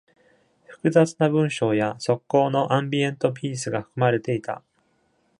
複雑な文章や即興のアンビエント・ピースが含まれていた。